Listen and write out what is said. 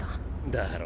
だろ？